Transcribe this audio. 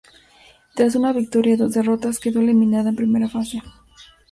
Tras una victoria y dos derrotas, quedó eliminada en primera fase.